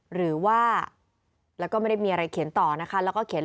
หรือว่าแล้วก็ไม่ได้มีอะไรเขียนต่อนะคะแล้วก็เขียน